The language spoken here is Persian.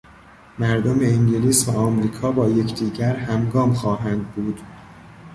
مردم انگلیس و امریکا با یکدیگر همگام خواهندبود...